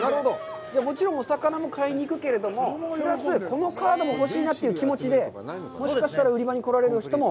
もちろんお魚も買いに行くけれども、プラスこのカードも欲しいなという気持ちで、もしかしたら売り場に来られる人も。